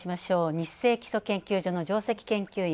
ニッセイ基礎研究所の上席研究員